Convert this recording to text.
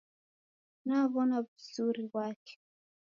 Naw'ona w'uzuri ghwake.